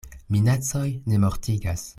Minacoj ne mortigas.